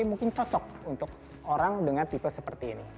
mungkin cocok untuk orang dengan tipe seperti ini